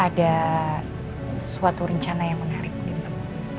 ada suatu rencana yang menarik di bandara